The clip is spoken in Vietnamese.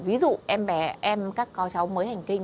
ví dụ em bé em các con cháu mới hành kinh